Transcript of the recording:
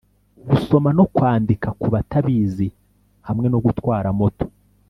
gusoma no kwandika ku batabizi hamwe no gutwara moto